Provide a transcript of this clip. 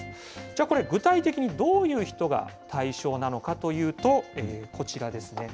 じゃあ、これ、具体的にどういう人が対象なのかというと、こちらですね。